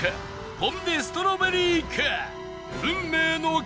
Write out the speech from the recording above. ポン・デ・ストロベリーか？